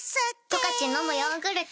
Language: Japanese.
「十勝のむヨーグルト」